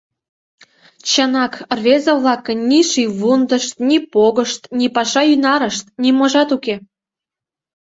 Чынак, рвезе-влакын ни шийвундышт, ни погышт, ни паша ӱнарышт — ниможат уке.